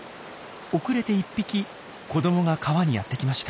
後れて１匹子どもが川にやってきました。